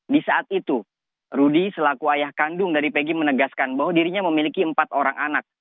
di saat itu rudy selaku ayah kandung dari pegi menegaskan bahwa dirinya memiliki empat orang anak